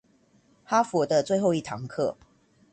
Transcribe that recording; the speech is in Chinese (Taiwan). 哈佛的最後一堂課